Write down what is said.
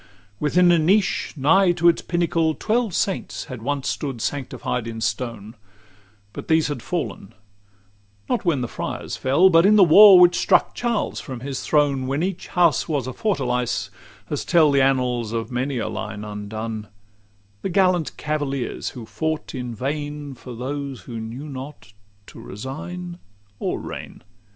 LX Within a niche, nigh to its pinnacle, Twelve saints had once stood sanctified in stone; But these had fallen, not when the friars fell, But in the war which struck Charles from his throne, When each house was a fortalice, as tell The annals of full many a line undone, The gallant cavaliers, who fought in vain For those who knew not to resign or reign.